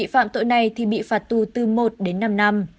phạm tội này thì bị phạt tù từ một đến năm năm